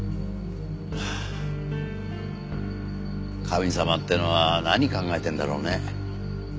神様ってのは何考えてるんだろうね。